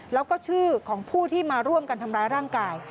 แล้วก็ชื่อของผู้ที่มาร่วมกันทำร้ายร่างกาย